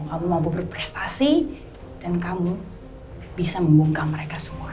kamu mampu berprestasi dan kamu bisa membungkam mereka semua